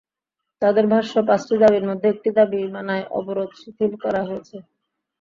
তাঁদের ভাষ্য, পাঁচটি দাবির মধ্যে একটি দাবি মানায় অবরোধ শিথিল করা হয়েছে।